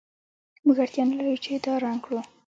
موږ اړتیا نلرو چې دا رنګ کړو